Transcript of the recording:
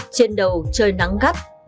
trên đầu trời nắng gắt